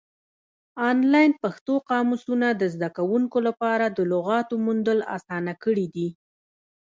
آنلاین پښتو قاموسونه د زده کوونکو لپاره د لغاتو موندل اسانه کړي دي.